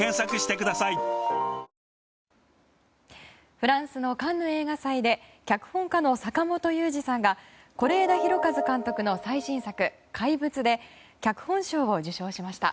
フランスのカンヌ映画祭で脚本家の坂元裕二さんが是枝裕和監督の最新作「怪物」で脚本賞を受賞しました。